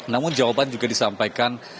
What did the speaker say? namun jawaban juga disampaikan